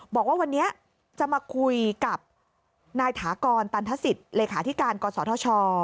บอกว่าวันนี้จะมาคุยกับนายถากรตันทศิษย์เลขาธิการกศธช